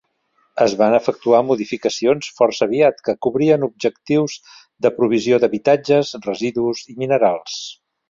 Es van efectuar modificacions força aviat que cobrien objectius de provisió d'habitatges, residus i minerals.